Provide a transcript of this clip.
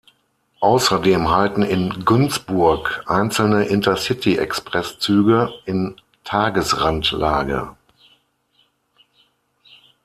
Außerdem halten in Günzburg einzelne Intercity-Express-Züge in Tagesrandlage.